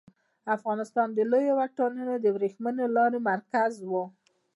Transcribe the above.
افغانستان د لویو واټونو د ورېښمو لارې مرکز و